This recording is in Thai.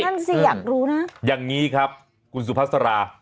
นั่นสิอยากรู้นะอย่างนี้ครับคุณสุภาษารา